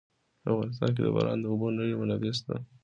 په افغانستان کې د باران د اوبو ډېرې منابع شته.